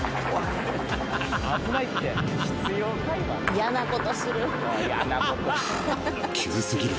嫌なことする。